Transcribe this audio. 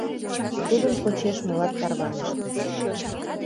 Тудын почеш молат тарванышт: